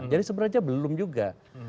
jadi sebenarnya belum juga